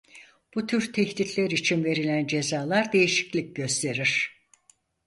Bu tür tehditler için verilen cezalar değişiklik gösterir.